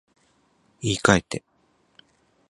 言い換えて